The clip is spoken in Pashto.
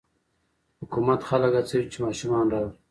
حکومت خلک هڅوي چې ماشومان راوړي.